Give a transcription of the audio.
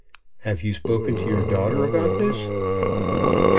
"Have you spoken to your daughter about this?"